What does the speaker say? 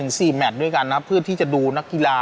เราไม่มีพวกมันเกี่ยวกับพวกเราแต่เราไม่มีพวกมันเกี่ยวกับพวกเรา